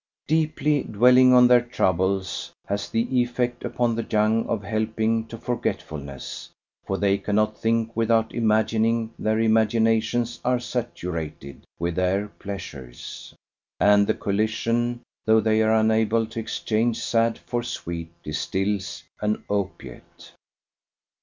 Deeply dwelling on their troubles has the effect upon the young of helping to forgetfulness; for they cannot think without imagining, their imaginations are saturated with their Pleasures, and the collision, though they are unable to exchange sad for sweet, distills an opiate.